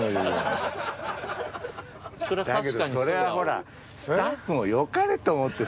だけどそれはほらスタッフも良かれと思ってさ